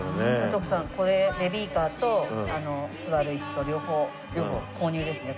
徳さんこれベビーカーとあの座る椅子と両方購入ですね